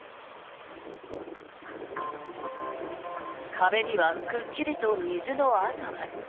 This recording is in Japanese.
壁にはくっきりと水の跡が。